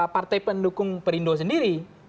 partai pendukung perindo sendiri